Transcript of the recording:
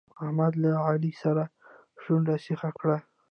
احمد له علي سره شونډک سيخ کړ.